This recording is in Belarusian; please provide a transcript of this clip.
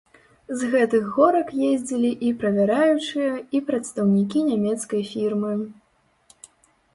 З гэтых горак ездзілі і правяраючыя, і прадстаўнікі нямецкай фірмы.